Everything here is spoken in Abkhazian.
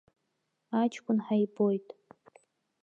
Аҷкәын ҳаибоит.